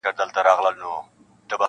وجدان او وېره ورسره جنګېږي تل-